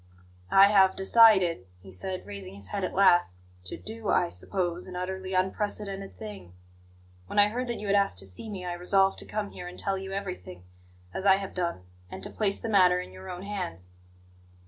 "I have decided," he said, raising his head at last, "to do, I suppose, an utterly unprecedented thing. When I heard that you had asked to see me, I resolved to come here and tell you everything, as I have done, and to place the matter in your own hands."